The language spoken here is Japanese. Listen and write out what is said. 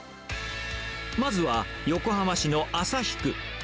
まずは、横浜市の旭区。